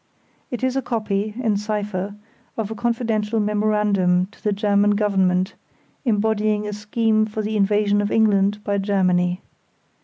It is a copy (in cipher) of a confidential memorandum to the German Government embodying a scheme for the invasion of England by Germany.